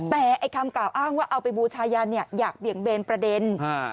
แต่ไอ้คำกล่าวอ้างว่าเอาไปบูชายันเนี่ยอยากเบี่ยงเบนประเด็น